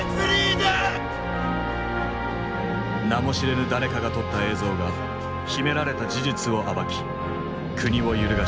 名も知れぬ誰かが撮った映像が秘められた事実を暴き国を揺るがし